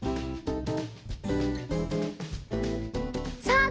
さあ